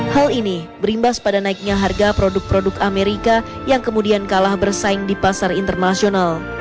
hal ini berimbas pada naiknya harga produk produk amerika yang kemudian kalah bersaing di pasar internasional